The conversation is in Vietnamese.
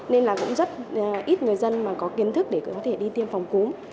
nên là cũng rất ít người dân mà có kiến thức để có thể đi tiêm phòng cúm